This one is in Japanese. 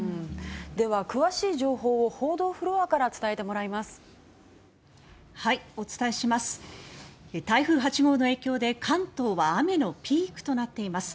では、詳しい情報を報道フロアから伝えてもらいます。